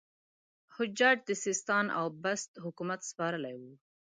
حجاج د سیستان او بست حکومت سپارلی وو.